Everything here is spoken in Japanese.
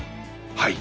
はい。